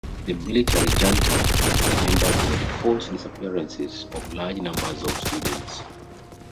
The military junta is remembered for the forced disappearances of large numbers of students.